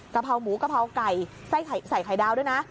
เพราหมูกะเพราไก่ใส่ไข่ดาวด้วยนะ